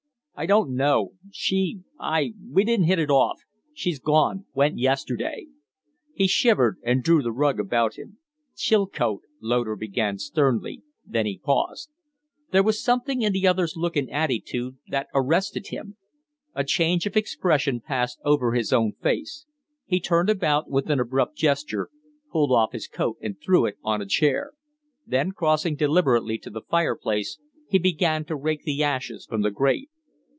"I don't know. She I We didn't hit it off. She's gone went yesterday." He shivered and drew the rug about him. "Chilcote " Loder began, sternly; then he paused. There was something in the other's look and attitude that arrested him. A change of expression passed over his own face; he turned about with an abrupt gesture, pulled off his coat and threw it on a chair; then crossing deliberately to the fireplace, he began to rake the ashes from the grate.